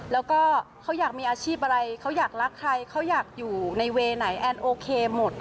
แล้วก็เขาอยากมีอาชีพอะไรเขาอยากรักใครเขาอยากอยู่ในเวย์ไหนแอนโอเคหมด